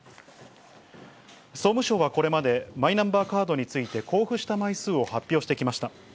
総務省はこれまで、マイナンバーカードについて、交付した枚数を発表してきました。